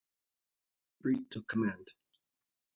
Street took command.